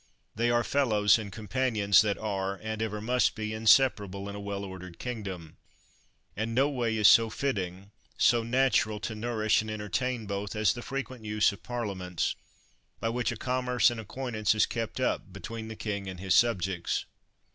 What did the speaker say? They are fellows and companions that are, and ever must be, inseparable in a well ordered kingdom ; and no way is so fitting, so natural to nourish and entertain both, as the frequent use of parlia ments, by which a commerce and acquaintance is kept up between the king and his subjects.